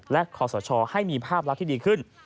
และขอสชให้มีภาพลักษณ์ที่ดีขึ้น